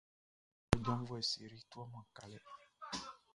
Ɔ janvuɛ Sery tuaman kalɛ.